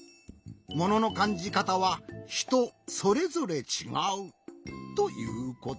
もののかんじかたはひとそれぞれちがう。ということ。